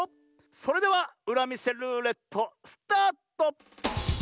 それではうらみせルーレットスタート！